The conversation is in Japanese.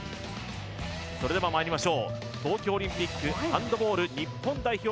それではまいりましょう東京オリンピックハンドボール日本代表